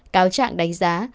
cáo trạng đánh giá